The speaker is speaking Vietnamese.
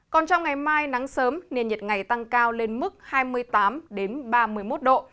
còn trong ngày mai nắng sớm nền nhiệt ngày tăng cao lên mức hai mươi tám ba mươi một độ